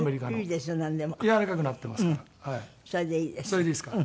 それでいいです。